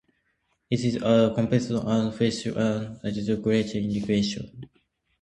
It is as a comparativist and a philologist that he gained his great reputation.